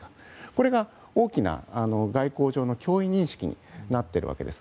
これが大きな外交上の脅威認識になっているわけです。